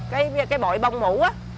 cái bội bông mủ á